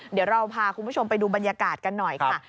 เดี๋ยวเราพาคุณผู้ชมไปดูบรรยากาศกันหน่อยค่ะ